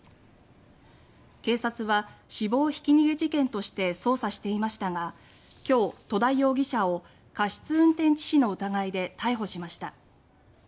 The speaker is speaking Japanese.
警察は死亡ひき逃げ事件として捜査していましたが今日、戸田容疑者を過失運転致死の疑いで逮捕しました。